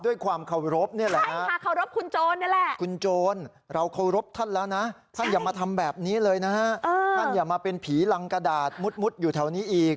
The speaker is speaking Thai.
ด้วยความเคารพนี่แหละเคารพคุณโจรนี่แหละคุณโจรเราเคารพท่านแล้วนะท่านอย่ามาทำแบบนี้เลยนะฮะท่านอย่ามาเป็นผีรังกระดาษมุดอยู่แถวนี้อีก